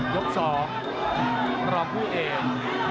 ยก๒รองผู้เอก